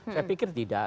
saya pikir tidak